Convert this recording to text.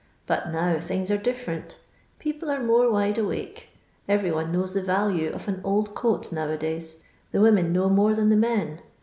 But now things are different People are more wide awake. Every one knows the value of an old coat now a days. The women know more than the men.